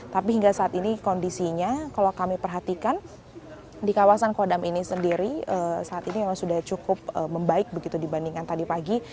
tapi hingga saat ini kondisinya kalau kami perhatikan di kawasan kodam ini sendiri saat ini memang sudah cukup membaik begitu dibandingkan tadi pagi